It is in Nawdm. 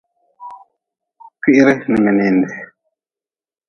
Kwiri n mininde.